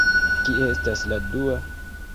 Kie estas la dua?